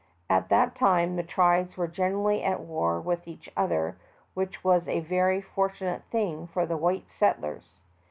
At that time the tribes were generally at war with each other, which was a very fortunate thing for the white settlers.